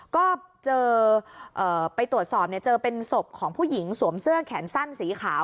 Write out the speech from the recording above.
ก็เจอไปตรวจสอบเจอเป็นศพของผู้หญิงสวมเสื้อแขนสั้นสีขาว